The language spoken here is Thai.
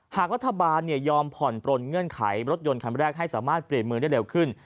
หากรัฐบาลยอมผ่อนปลนเงื่อนไขรถยนต์คันแรกให้สามารถเปลี่ยนมือได้เร็วขึ้น